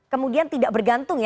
kemudian tidak bergantung